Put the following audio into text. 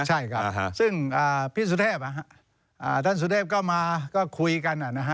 ใช่ก่อนซึ่งพี่สุเทพท่านสุเทพก็มาคุยกันนะฮะ